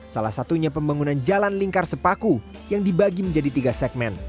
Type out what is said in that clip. salah satunya pembangunan jalan lingkar sepaku yang dibagi menjadi tiga segmen